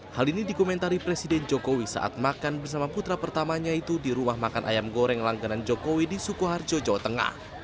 hal ini dikomentari presiden jokowi saat makan bersama putra pertamanya itu di rumah makan ayam goreng langganan jokowi di sukoharjo jawa tengah